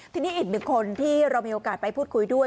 ทีนี้อีกหนึ่งคนที่เรามีโอกาสไปพูดคุยด้วย